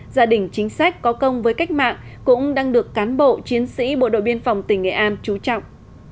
gia đình chính sách có công với cách mạng cũng đang được cán bộ chiến sĩ bộ đội biên phòng tỉnh nghệ an trú trọng